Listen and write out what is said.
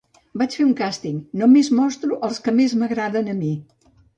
Vaig fer un càsting, només mostro els que més m’agraden a mi.